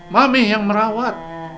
mami yang merawat